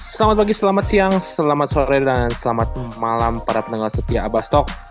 selamat pagi selamat siang selamat sore dan selamat malam para pendengar setia abastok